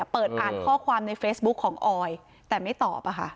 เปิดอ่านข้อความในเฟซบุ๊คของออยแต่ไม่ตอบ